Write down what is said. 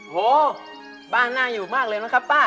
โหบ้านน่าอยู่มากเลยนะครับป้า